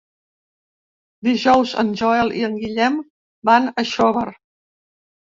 Dijous en Joel i en Guillem van a Xóvar.